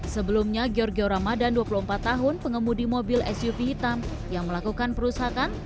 sebelumnya georgeo ramadan dua puluh empat tahun pengemudi mobil suv hitam yang melakukan perusakan